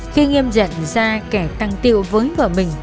khi nghiêm dận ra kẻ tăng tiệu với vợ mình